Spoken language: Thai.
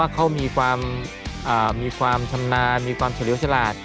เพราะว่าเค้ามีความชำนามีความถริวจรรย์